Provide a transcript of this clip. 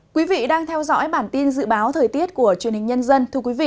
quý vị đang theo dõi bản tin dự báo thời tiết của truyền hình nhân dân